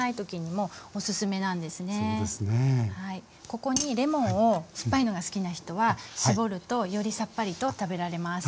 ここにレモンを酸っぱいのが好きな人は搾るとよりさっぱりと食べられます。